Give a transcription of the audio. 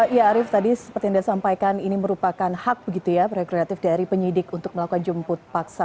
ya arief tadi seperti yang anda sampaikan ini merupakan hak begitu ya rekreatif dari penyidik untuk melakukan jemput paksa